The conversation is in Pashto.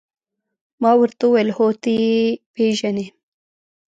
ما ورته وویل: هو، ته يې پېژنې؟